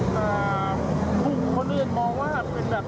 ให้บริการทุกท่านครับ